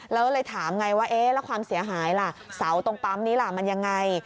แล้วเลยถามไงว่าเอ๊ะแล้วความเสียหายล่ะเสาตรงปั๊มนี้ล่ะมันยังไง